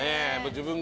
自分が。